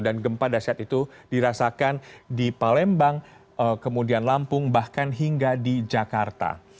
dan gempa dasyat itu dirasakan di palembang kemudian lampung bahkan hingga di jakarta